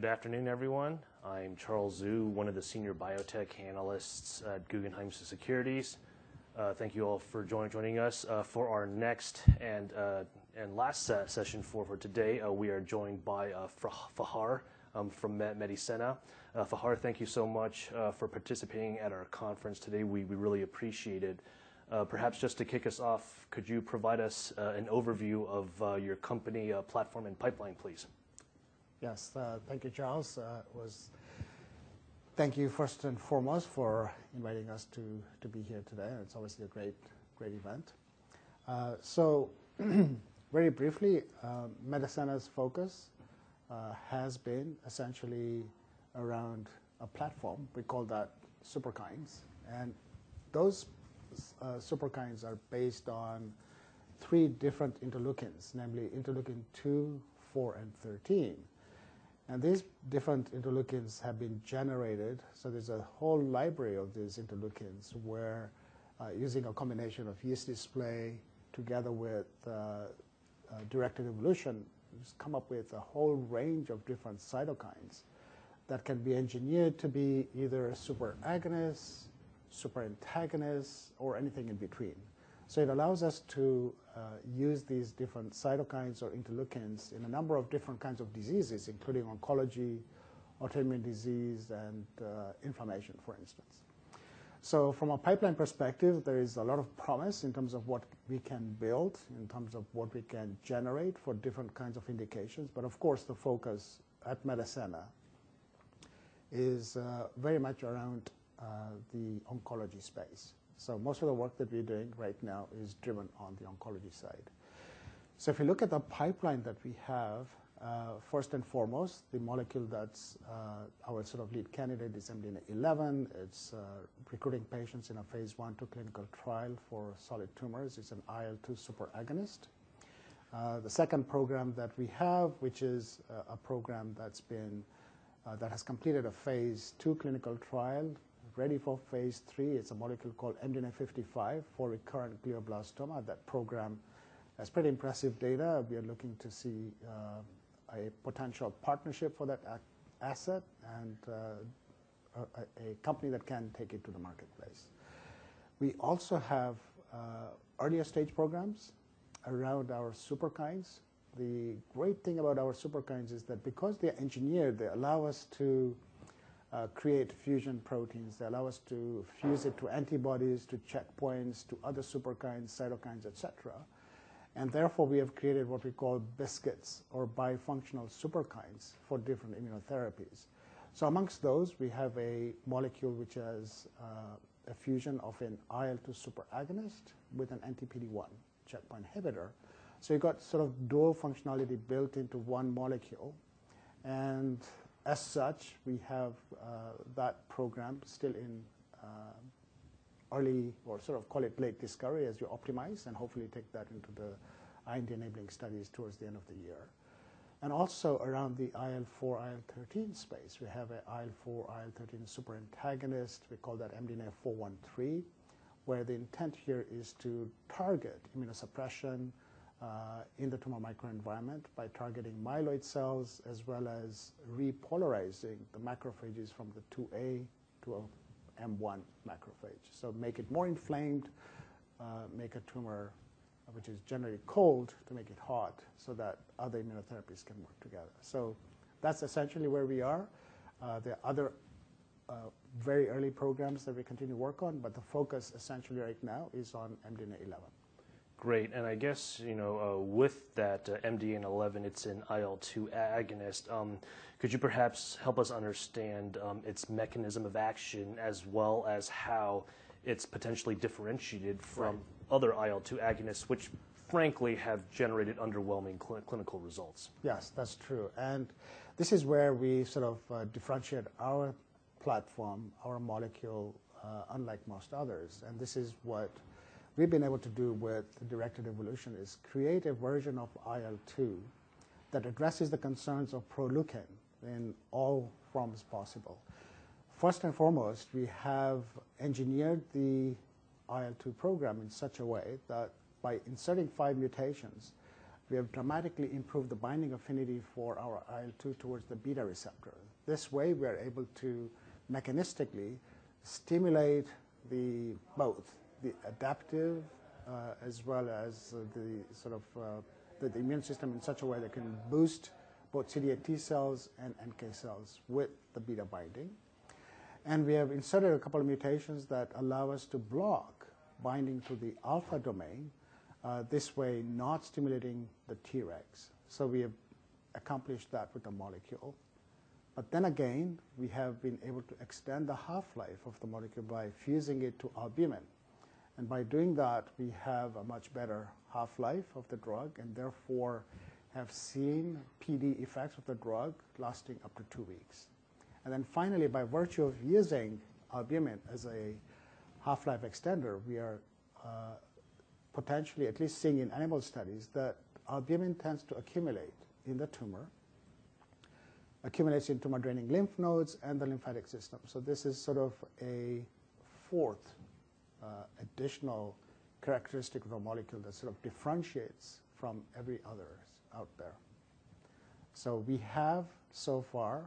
Good afternoon, everyone. I'm Charles Zhu, one of the Senior Biotechnology Analysts at Guggenheim Securities. Thank you all for joining us for our next and last session for today. We are joined by Fahar from Medicenna. Fahar, thank you so much for participating at our conference today. We really appreciate it. Perhaps just to kick us off, could you provide us an overview of your company, platform, and pipeline, please? Yes. Thank you, Charles. Thank you first and foremost for inviting us to be here today. It's always a great event. Very briefly, Medicenna's focus has been essentially around a platform, we call that Superkines. Those Superkines are based on three different interleukins, namely interleukin-2, -4, and -13. These different interleukins have been generated, so there's a whole library of these interleukins where, using a combination of yeast display together with directed evolution, we've just come up with a whole range of different cytokines that can be engineered to be either a superagonist, superantagonist, or anything in between. It allows us to use these different cytokines or interleukins in a number of different kinds of diseases, including oncology, autoimmune disease, and, inflammation, for instance. From a pipeline perspective, there is a lot of promise in terms of what we can build, in terms of what we can generate for different kinds of indications, but of course, the focus at Medicenna is very much around the oncology space. Most of the work that we're doing right now is driven on the oncology side. If you look at the pipeline that we have, first and foremost, the molecule that's our sort of lead candidate is MDNA11. It's recruiting patients in a phase 1/2 clinical trial for solid tumors. It's an IL-2 superagonist. The second program that we have, which is a program that has completed a phase two clinical trial, ready for phase three. It's a molecule called MDNA55 for recurrent glioblastoma. That program has pretty impressive data. We are looking to see a potential partnership for that asset and a company that can take it to the marketplace. We also have earlier stage programs around our Superkines. The great thing about our Superkines is that because they're engineered, they allow us to create fusion proteins. They allow us to fuse it to antibodies, to checkpoints, to other Superkines, cytokines, et cetera. Therefore, we have created what we call BiSKITs or bifunctional superkines for different immunotherapies. Amongst those, we have a molecule which has a fusion of an IL-2 superagonist with an anti-PD-1 checkpoint inhibitor. You've got sort of dual functionality built into one molecule. As such, we have that program still in early or sort of call it late discovery as you optimize and hopefully take that into the IND-enabling studies towards the end of the year. Also around the IL-4, IL-13 space, we have a IL-4, IL-13 superantagonist. We call that MDNA413, where the intent here is to target immunosuppression in the tumor microenvironment by targeting myeloid cells as well as repolarizing the macrophages from the 2A to a M1 macrophage. Make it more inflamed, make a tumor which is generally cold to make it hot so that other immunotherapies can work together. That's essentially where we are. There are other very early programs that we continue to work on, but the focus essentially right now is on MDNA11. Great. I guess, you know, with that MDNA11, it's an IL-2 agonist. Could you perhaps help us understand its mechanism of action as well as how it's potentially differentiated from other IL-2 agonists which frankly have generated underwhelming clinical results? Yes. That's true. This is where we sort of differentiate our platform, our molecule, unlike most others, and this is what we've been able to do with the directed evolution, is create a version of IL-2 that addresses the concerns of Proleukin in all forms possible. First and foremost, we have engineered the IL-2 program in such a way that by inserting five mutations, we have dramatically improved the binding affinity for our IL-2 towards the beta receptor. This way, we're able to mechanistically stimulate the both the adaptive, as well as the sort of the immune system in such a way that can boost both CD8 T cells and NK cells with the beta binding. We have inserted a couple of mutations that allow us to block binding to the alpha domain, this way, not stimulating the Tregs. We have accomplished that with the molecule. We have been able to extend the half-life of the molecule by fusing it to albumin. By doing that, we have a much better half-life of the drug and therefore have seen PD effects with the drug lasting up to two weeks. Finally, by virtue of using albumin as a half-life extender, we are potentially at least seeing in animal studies that albumin tends to accumulate in the tumor. Accumulates into my draining lymph nodes and the lymphatic system. This is sort of a fourth additional characteristic of a molecule that sort of differentiates from every others out there. We have so far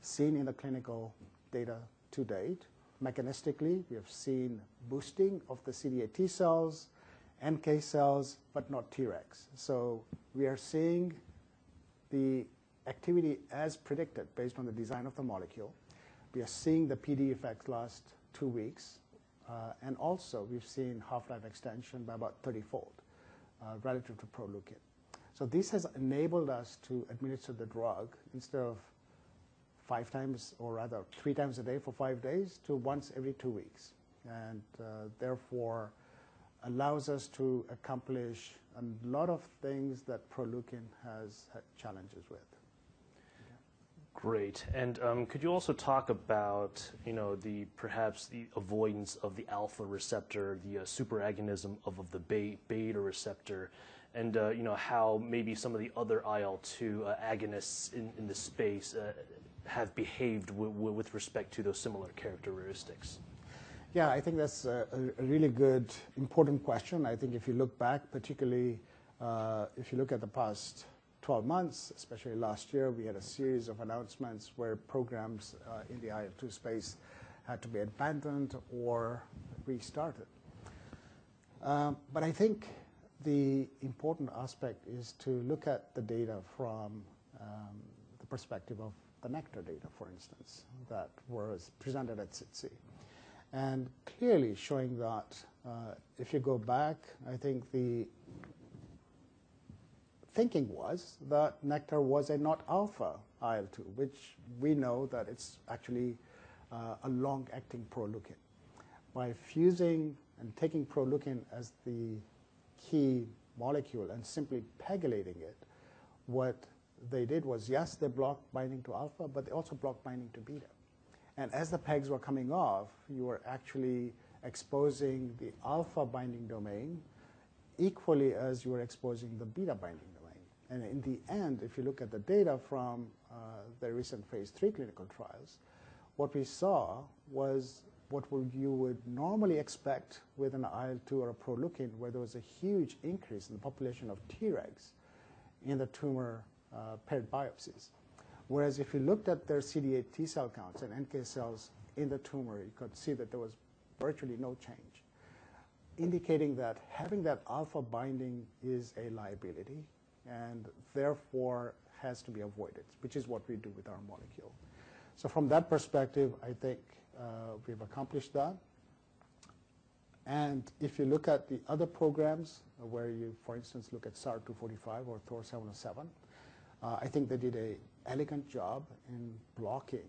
seen in the clinical data to date, mechanistically, we have seen boosting of the CD8 T cells, NK cells, but not Tregs. We are seeing the activity as predicted based on the design of the molecule. We are seeing the PD effect last two weeks. Also, we've seen half-life extension by about 30-fold relative to Proleukin. This has enabled us to administer the drug instead of five times or rather three times a day for five days to once every two weeks, and therefore allows us to accomplish a lot of things that Proleukin has had challenges with. Great. Could you also talk about, you know, the perhaps the avoidance of the alpha domain, the superagonism of the beta receptor, and, you know, how maybe some of the other IL-2 agonists in the space have behaved with respect to those similar characteristics? Yeah. I think that's a really good important question. I think if you look back, particularly, if you look at the past 12 months, especially last year, we had a series of announcements where programs in the IL-2 space had to be abandoned or restarted. I think the important aspect is to look at the data from the perspective of the Nektar data, for instance, that was presented at SITC, and clearly showing that, if you go back, I think the thinking was that Nektar was a not alpha IL-2, which we know that it's actually a long-acting Proleukin. By fusing and taking Proleukin as the key molecule and simply PEGylating it, what they did was, yes, they blocked binding to alpha, but they also blocked binding to beta. As the pegs were coming off, you were actually exposing the alpha binding domain equally as you were exposing the beta binding domain. In the end, if you look at the data from the recent Phase three clinical trials, what we saw was what you would normally expect with an IL-2 or a Proleukin where there was a huge increase in the population of Tregs in the tumor, paired biopsies. Whereas if you looked at their CD8 T cell counts and NK cells in the tumor, you could see that there was virtually no change, indicating that having that alpha binding is a liability and therefore has to be avoided, which is what we do with our molecule. From that perspective, I think, we've accomplished that. If you look at the other programs where you, for instance, look at SAR 444245 or THOR-707, I think they did an elegant job in blocking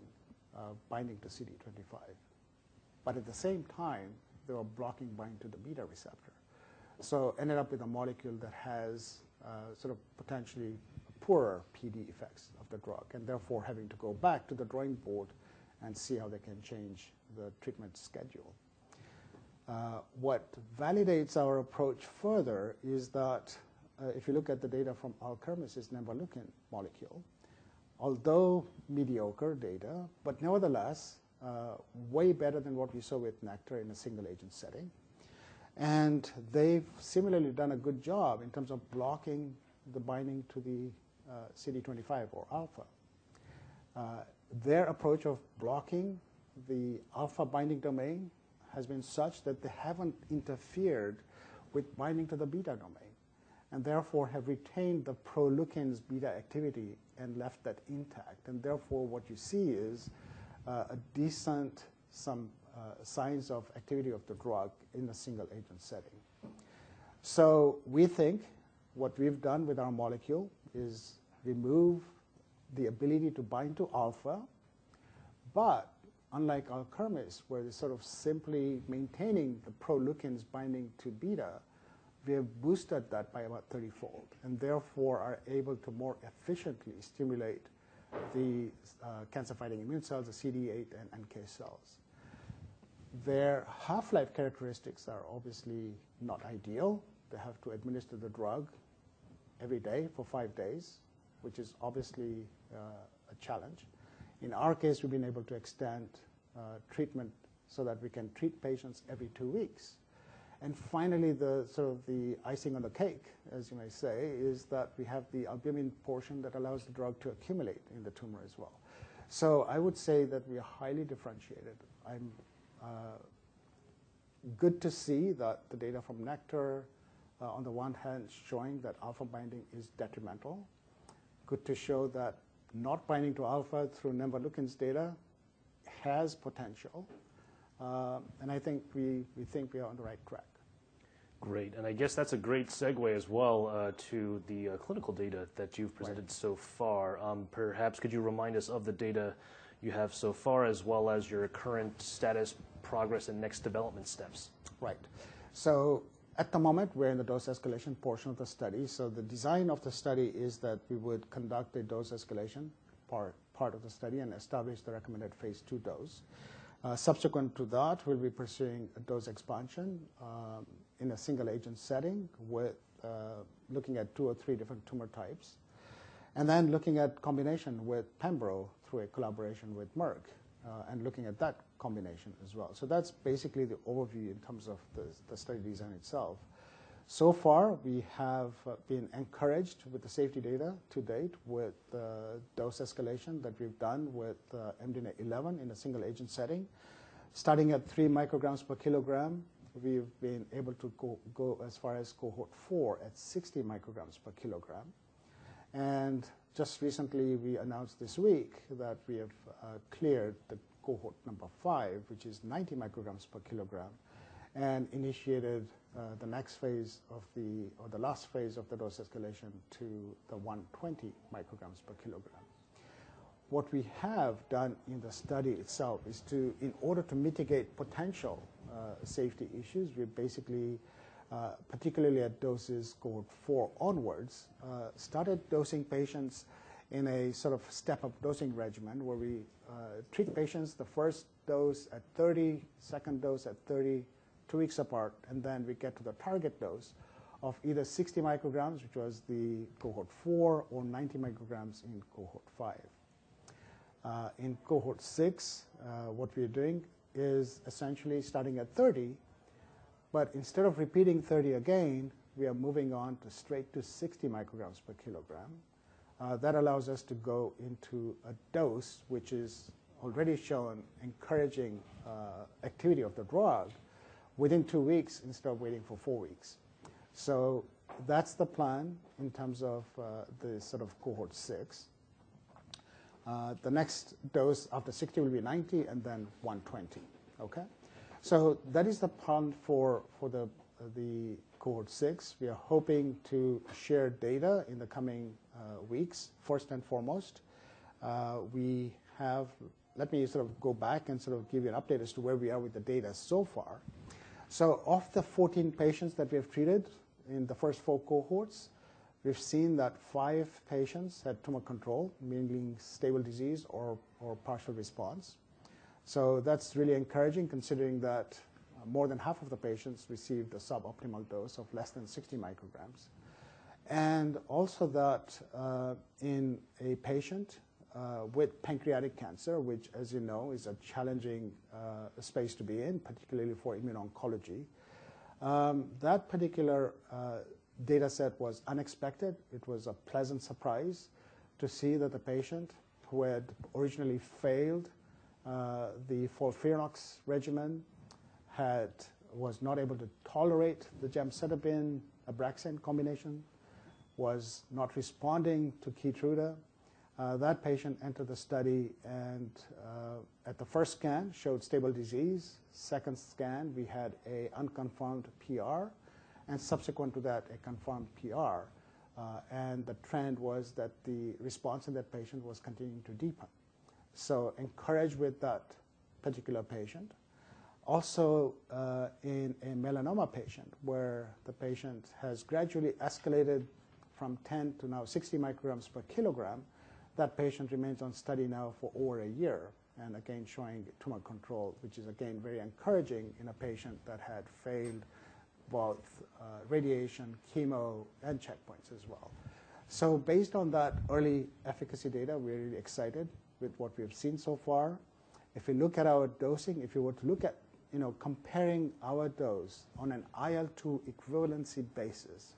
binding to CD25. At the same time, they were blocking binding to the beta receptor. Ended up with a molecule that has sort of potentially poorer PD effects of the drug, and therefore having to go back to the drawing board and see how they can change the treatment schedule. What validates our approach further is that if you look at the data from Alkermes' Nemvaleukin molecule, although mediocre data, but nevertheless, way better than what we saw with Nektar in a single-agent setting. They've similarly done a good job in terms of blocking the binding to the CD25 or alpha. Their approach of blocking the alpha binding domain has been such that they haven't interfered with binding to the beta domain, and therefore have retained the Proleukin's beta activity and left that intact. What you see is a decent some signs of activity of the drug in a single-agent setting. We think what we've done with our molecule is remove the ability to bind to alpha. Unlike Alkermes, where they're sort of simply maintaining the Proleukin's binding to beta, we have boosted that by about 30-fold, and therefore are able to more efficiently stimulate the cancer-fighting immune cells, the CD8 and NK cells. Their half-life characteristics are obviously not ideal. They have to administer the drug every day for five days, which is obviously a challenge. In our case, we've been able to extend treatment so that we can treat patients every two weeks. Finally, the sort of the icing on the cake, as you may say, is that we have the albumin portion that allows the drug to accumulate in the tumor as well. I would say that we are highly differentiated. I'm good to see that the data from Nektar, on the one hand is showing that alpha binding is detrimental. Good to show that not binding to alpha through Nemvaleukin's data has potential. I think we think we are on the right track. Great. I guess that's a great segue as well, to the clinical data that you've presented so far. Right. Perhaps could you remind us of the data you have so far as well as your current status, progress, and next development steps? Right. At the moment, we're in the dose escalation portion of the study. The design of the study is that we would conduct a dose escalation part of the study and establish the recommended phase two dose. Subsequent to that, we'll be pursuing a dose expansion in a single-agent setting with looking at two or three different tumor types. Looking at combination with pembro through a collaboration with Merck, and looking at that combination as well. That's basically the overview in terms of the study design itself. So far, we have been encouraged with the safety data to date with the dose escalation that we've done with MDNA11 in a single-agent setting. Starting at three micrograms per kilogram, we've been able to go as far as cohort four at 60 micrograms per kilogram. Just recently, we announced this week that we have cleared cohort number five, which is 90 micrograms per kilogram, and initiated the last phase of the dose escalation to the 120 micrograms per kilogram. What we have done in the study itself is to, in order to mitigate potential safety issues, we've basically, particularly at doses cohort four onwards, started dosing patients in a sort of step-up dosing regimen where we treat patients the first dose at 30, second dose at 30, two weeks apart, and then we get to the target dose of either 60 micrograms, which was the cohort four, or 90 micrograms in cohort five. In cohort six, what we're doing is essentially starting at 30, but instead of repeating 30 again, we are moving on to straight to 60 micrograms per kilogram. That allows us to go into a dose which is already shown encouraging activity of the drug within two weeks instead of waiting for four weeks. That's the plan in terms of the sort of cohort six. The next dose after 60 will be 90 and then 120, okay? That is the plan for the cohort six. We are hoping to share data in the coming weeks, first and foremost. Let me sort of go back and sort of give you an update as to where we are with the data so far. Of the 14 patients that we have treated in the 1st four cohorts, we've seen that five patients had tumor control, meaning stable disease or partial response. That's really encouraging considering that more than half of the patients received a suboptimal dose of less than 60 micrograms. Also that, in a patient with pancreatic cancer, which as you know, is a challenging space to be in, particularly for immune oncology, that particular dataset was unexpected. It was a pleasant surprise to see that the patient who had originally failed the FOLFIRINOX regimen was not able to tolerate the gemcitabine/Abraxane combination, was not responding to KEYTRUDA. That patient entered the study at the 1st scan showed stable disease. Second scan, we had a unconfirmed PR, and subsequent to that, a confirmed PR. The trend was that the response in that patient was continuing to deepen. Encouraged with that particular patient. Also, in melanoma patient, where the patient has gradually escalated from 10 to now 60 micrograms per kilogram, that patient remains on study now for over a year, and again, showing tumor control, which is again, very encouraging in a patient that had failed both radiation, chemo, and checkpoints as well. Based on that early efficacy data, we're really excited with what we have seen so far. If you look at our dosing, if you were to look at, you know, comparing our dose on an IL-2 equivalency basis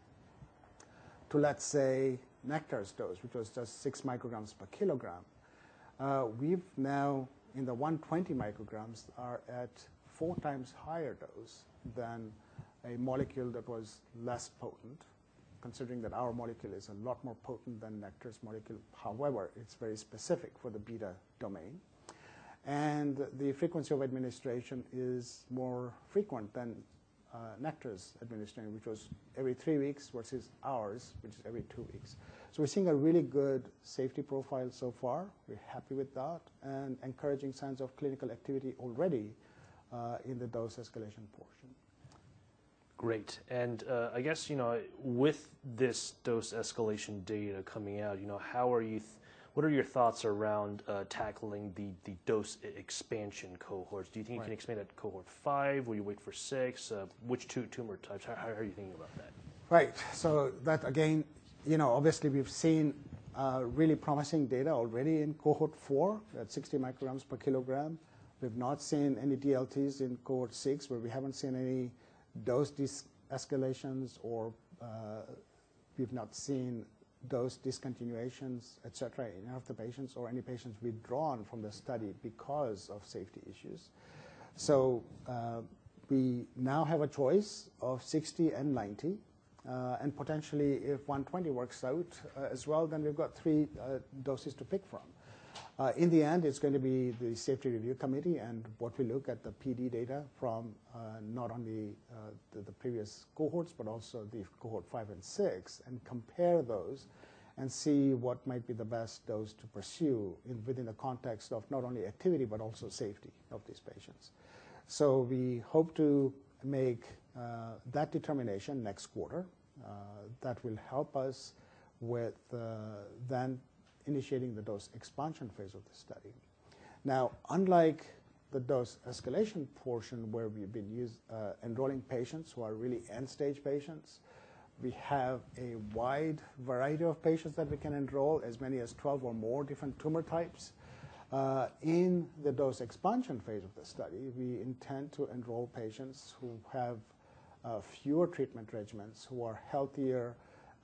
to, let's say, Nektar's dose, which was just six micrograms per kilogram, we've now in the 120 micrograms are at four times higher dose than a molecule that was less potent, considering that our molecule is a lot more potent than Nektar's molecule. However, it's very specific for the beta domain. The frequency of administration is more frequent than Nektar's administration, which was every three weeks versus ours, which is every two weeks. We're seeing a really good safety profile so far. We're happy with that, and encouraging signs of clinical activity already in the dose escalation portion. Great. I guess, you know, with this dose escalation data coming out, you know, what are your thoughts around tackling the dose expansion cohorts? Right. Do you think you can expand that to cohort five? Will you wait for six? Which two tumor types? How are you thinking about that? That again, you know, obviously we've seen really promising data already in cohort four at 60 micrograms per kilogram. We've not seen any DLTs in cohort six, where we haven't seen any dose deescalations or, we've not seen dose discontinuations, et cetera, in half the patients or any patients withdrawn from the study because of safety issues. We now have a choice of 60 and 90, and potentially if 120 works out as well, then we've got three doses to pick from. In the end, it's gonna be the safety review committee and what we look at the PD data from not only the previous cohorts, but also the cohort five and six, and compare those and see what might be the best dose to pursue within the context of not only activity, but also safety of these patients. We hope to make that determination next quarter that will help us with then initiating the dose expansion phase of the study. Unlike the dose escalation portion where we've been enrolling patients who are really end-stage patients, we have a wide variety of patients that we can enroll, as many as 12 or more different tumor types. In the dose expansion phase of the study, we intend to enroll patients who have fewer treatment regimens, who are healthier,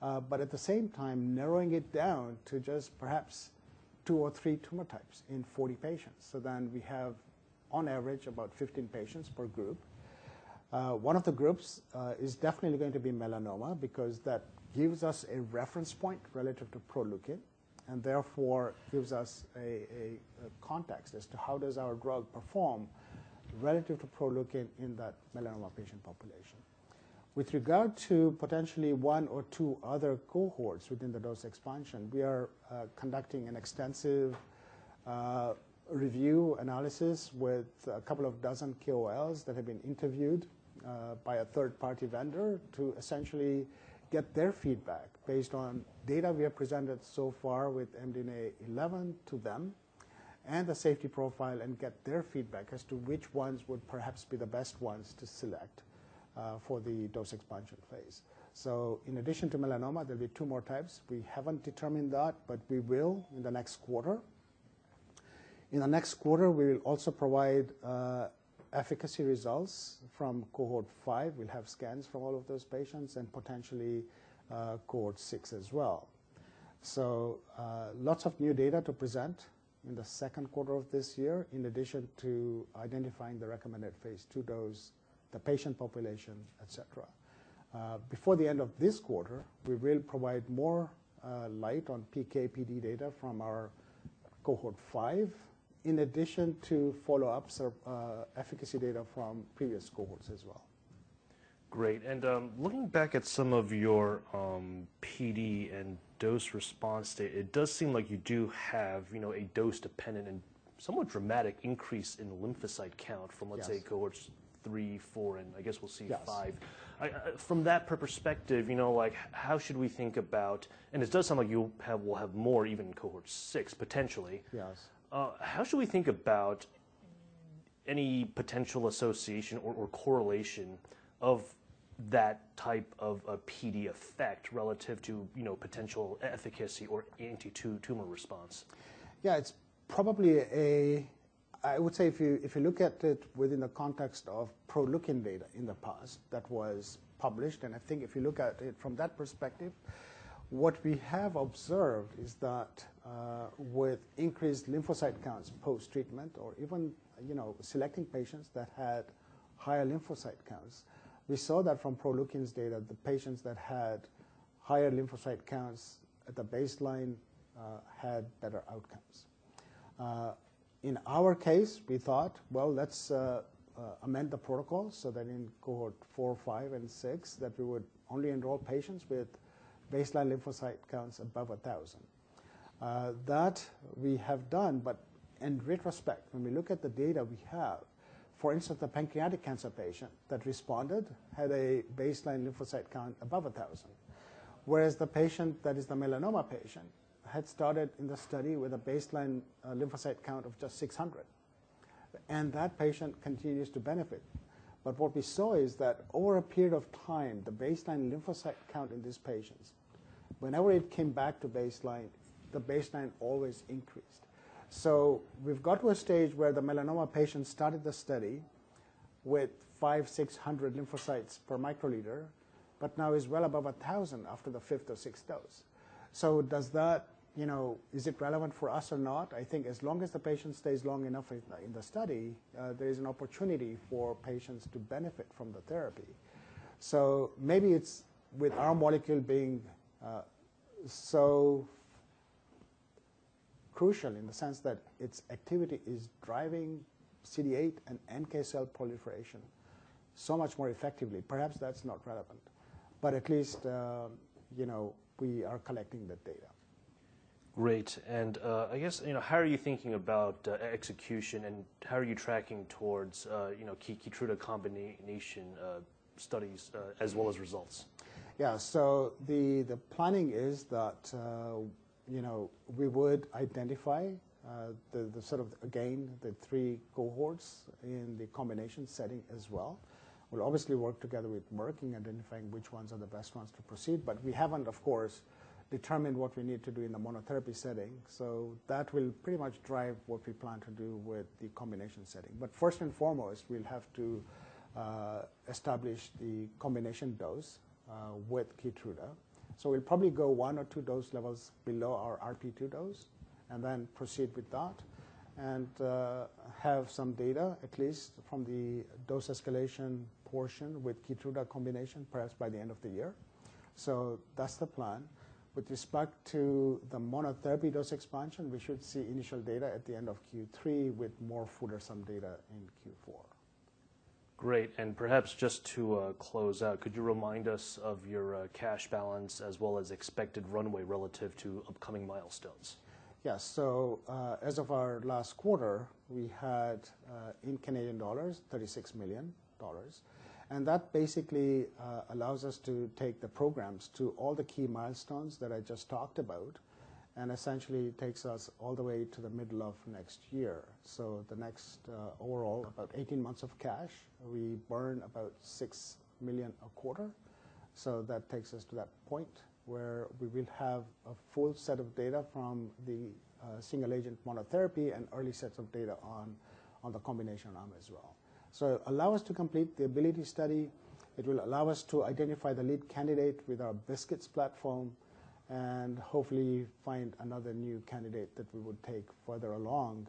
but at the same time narrowing it down to just perhaps two or three tumor types in 40 patients. We have, on average, about 15 patients per group. One of the groups is definitely going to be melanoma because that gives us a reference point relative to Proleukin, and therefore gives us a context as to how does our drug perform relative to Proleukin in that melanoma patient population. With regard to potentially one or two other cohorts within the dose expansion, we are conducting an extensive review analysis with two dozen KOLs that have been interviewed by a third-party vendor to essentially get their feedback based on data we have presented so far with MDNA11 to them and the safety profile and get their feedback as to which ones would perhaps be the best ones to select for the dose expansion phase. In addition to melanoma, there'll be two more types. We haven't determined that, but we will in the next quarter. In the next quarter, we will also provide efficacy results from cohort five. We'll have scans for all of those patients and potentially cohort six as well. lots of new data to present in the second quarter of this year in addition to identifying the recommended phase two dose, the patient population, et cetera. Before the end of this quarter, we will provide more light on PK/PD data from our cohort five in addition to follow-ups or efficacy data from previous cohorts as well. Great. Looking back at some of your, PD and dose response data, it does seem like you do have, you know, a dose-dependent and somewhat dramatic increase in lymphocyte count. Yes. From, let's say, cohorts three, four, and I guess we'll see five. Yes. From that perspective, you know, like how should we think about. It does sound like will have more even in cohort six, potentially. Yes. How should we think about any potential association or correlation of that type of a PD effect relative to, you know, potential efficacy or anti-tumor response? It's probably I would say if you, if you look at it within the context of Proleukin data in the past that was published, and I think if you look at it from that perspective, what we have observed is that, with increased lymphocyte counts post-treatment or even, you know, selecting patients that had higher lymphocyte counts, we saw that from Proleukin's data, the patients that had higher lymphocyte counts at the baseline, had better outcomes. In our case, we thought, well, let's amend the protocol so that in cohort four, five, and six, that we would only enroll patients with baseline lymphocyte counts above 1,000. That we have done, but in retrospect, when we look at the data we have, for instance, the pancreatic cancer patient that responded had a baseline lymphocyte count above 1,000, whereas the patient that is the melanoma patient had started in the study with a baseline lymphocyte count of just 600, and that patient continues to benefit. What we saw is that over a period of time, the baseline lymphocyte count in these patients, whenever it came back to baseline, the baseline always increased. We've got to a stage where the melanoma patient started the study with 500-600 lymphocytes per microliter, but now is well above 1,000 after the 5th or 6th dose. Does that, you know, is it relevant for us or not? I think as long as the patient stays long enough in the study, there is an opportunity for patients to benefit from the therapy. Maybe it's with our molecule being so crucial in the sense that its activity is driving CD8 and NK cell proliferation so much more effectively. Perhaps that's not relevant. At least, you know, we are collecting the data. Great. I guess, you know, how are you thinking about execution, and how are you tracking towards, you know, KEYTRUDA combination studies, as well as results? The planning is that, you know, we would identify the sort of, again, the three cohorts in the combination setting as well. We'll obviously work together with Merck in identifying which ones are the best ones to proceed, but we haven't, of course, determined what we need to do in the monotherapy setting. That will pretty much drive what we plan to do with the combination setting. First and foremost, we'll have to establish the combination dose with KEYTRUDA. We'll probably go one or two dose levels below our RP2 dose and then proceed with that and have some data at least from the dose escalation portion with KEYTRUDA combination, perhaps by the end of the year. That's the plan. With respect to the monotherapy dose expansion, we should see initial data at the end of Q3 with more fulsome data in Q4. Great. Perhaps just to close out, could you remind us of your cash balance as well as expected runway relative to upcoming milestones? Yeah. As of our last quarter, we had in Canadian dollars, 36 million dollars. That basically allows us to take the programs to all the key milestones that I just talked about and essentially takes us all the way to the middle of next year. The next, overall, about 18 months of cash, we burn about 6 million a quarter. That takes us to that point where we will have a full set of data from the single-agent monotherapy and early sets of data on the combination arm as well. Allow us to complete the ABILITY Study. It will allow us to identify the lead candidate with our BiSKITs platform and hopefully find another new candidate that we would take further along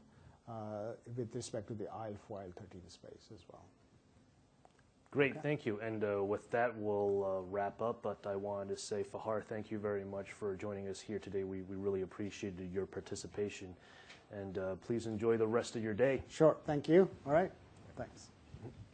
with respect to the IL-4/IL-13 space as well. Great. Thank you. With that, we'll wrap up. I wanted to say, Fahar, thank you very much for joining us here today. We really appreciated your participation. Please enjoy the rest of your day. Sure. Thank you. All right. Thanks.